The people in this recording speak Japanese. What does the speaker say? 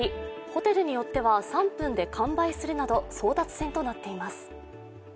ホテルによっては３分で完売するなど争奪戦となっています。